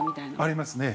◆ありますね。